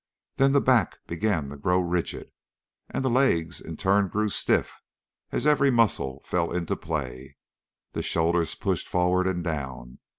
Then the back began to grow rigid, and the legs in turn grew stiff, as every muscle fell into play. The shoulders pushed forward and down.